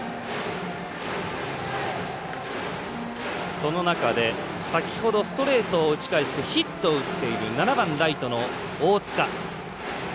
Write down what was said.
その中で先ほどストレートを打ち返してヒットを打っている７番ライトの大塚。